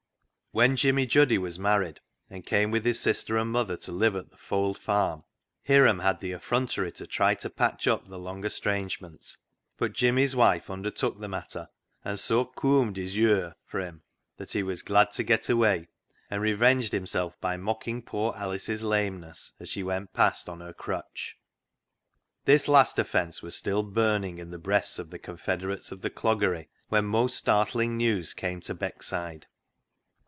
When Jimmy Juddy was married, and came with his sister and mother to live at the Fold farm, Hiram had the effrontery to try to patch up the long estrangement, but Jimmy's wife undertook the matter, and so " cooamed his yure" (hair) for him that he was glad to get away, and revenged himself by mocking poor Alice's lameness as she went past on her crutch. This last offence was still burning in the breasts of the confederates of the cloggery, when most startling news came to Beckside.